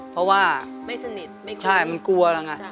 เพราะว่าใช่มันกลัวละไง